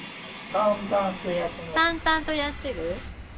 淡々とやってる？